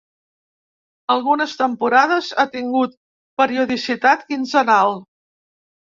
Algunes temporades ha tingut periodicitat quinzenal.